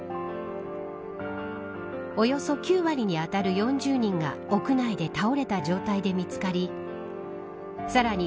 およそ９割にあたる４０人が屋内で倒れた状態で見つかりさらに